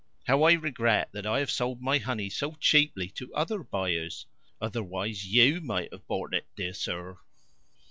How I regret that I have sold my honey so cheaply to other buyers! Otherwise YOU might have bought it, dear sir."